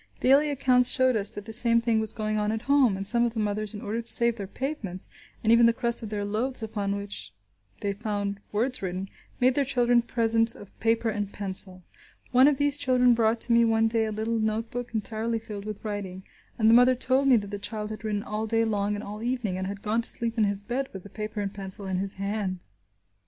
Daily accounts showed us that the same thing was going on at home, and some of the mothers, in order to save their pavements, and even the crust of their loaves upon which they found words written, made their children presents of paper and pencil. One of these children brought to me one day a little note book entirely filled with writing, and the mother told me that the child had written all day long and all evening, and had gone to sleep in his bed with the paper and pencil in his hand.